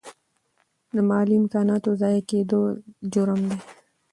د مالي امکاناتو ضایع کیدل جرم دی.